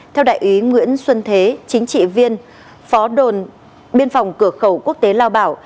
theo đại úy nguyễn xuân thế chính trị viên phó đồn biên phòng cửa khẩu quốc tế lao bảo